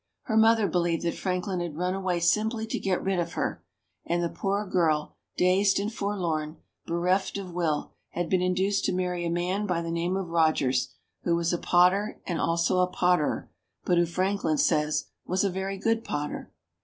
Her mother believed that Franklin had run away simply to get rid of her, and the poor girl, dazed and forlorn, bereft of will, had been induced to marry a man by the name of Rogers, who was a potter and also a potterer, but who Franklin says was "a very good potter."